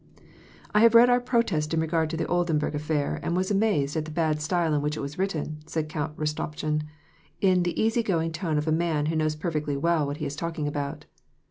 " I have read our protest in regard to the Oldenburg affair, and was amazed at the bad style in which it was written," said Count Rostopchin, in the easy going tone of a man who knows perfectly well what he is talking about.